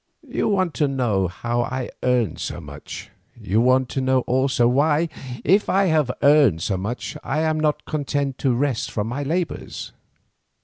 You want to know how I earn so much; you want to know also, why, if I have earned so much, I am not content to rest from my labours.